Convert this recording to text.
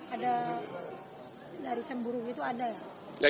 ada dari cemburu gitu ada ya